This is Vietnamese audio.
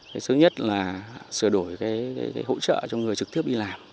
thứ nhất là sửa đổi cái hỗ trợ cho người trực tiếp đi làm